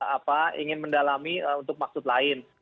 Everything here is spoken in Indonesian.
apa ingin mendalami untuk maksud lain